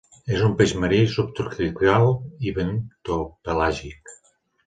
És un peix marí, subtropical i bentopelàgic.